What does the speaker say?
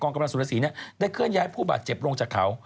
กำลังสุรสีได้เคลื่อนย้ายผู้บาดเจ็บลงจากเขา